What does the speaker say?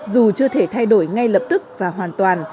dù chưa thể thay đổi ngay lập tức và hoàn toàn